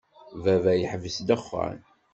Baba yeḥbes ddexxan.